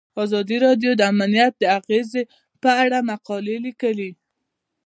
ازادي راډیو د امنیت د اغیزو په اړه مقالو لیکلي.